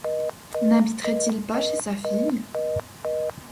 n’habiterait-il pas chez sa fille ?